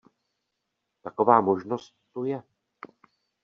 Taková možnost tu je.